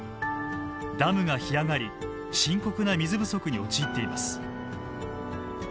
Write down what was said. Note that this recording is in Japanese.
ダムが干上がり深刻な水不足に陥っています。